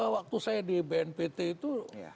waktu saya di bnpt itu